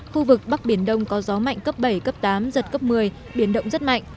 khu vực bắc biển đông có gió mạnh cấp bảy cấp tám giật cấp một mươi biển động rất mạnh